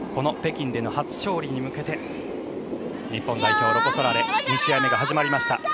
北京での初勝利に向けて日本代表ロコ・ソラーレ２試合目が始まりました。